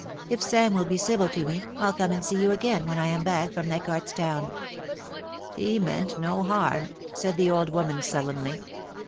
If Sam will be civil to me I'll come and see you again when I am back from Leichardt's Town.' * He meant no harm,' said the old woman, sullenly.